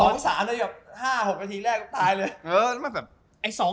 ๒๓ระดับ๕๖นาทีแรกก็ตายเลย